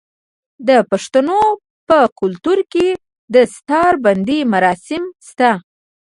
د پښتنو په کلتور کې د دستار بندی مراسم شته.